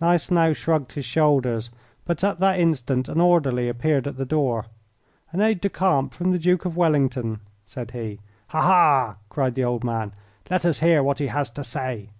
Gneisenau shrugged his shoulders, but at that instant an orderly appeared at the door. "An aide de camp from the Duke of Wellington," said he. "Ha, ha!" cried the old man; "let us hear what he has to say!"